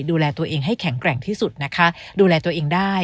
ดูแลตัวเองให้แข็งแกร่งที่สุดนะคะดูแลตัวเองได้